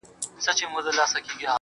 o ښه به وي چي دا يې خوښـــه ســـوېده.